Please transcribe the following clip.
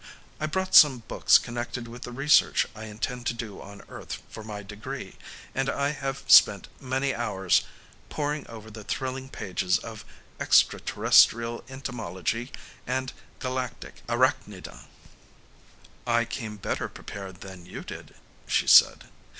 I brought some books connected with the research I intend to do on Earth for my degree, and I have spent many happy hours poring over the thrilling pages of Extraterrestrial Entomology and Galactic Arachnida." "I came better prepared than you did," she said.